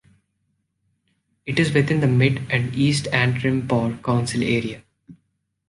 It is within the Mid and East Antrim Bourgh council area.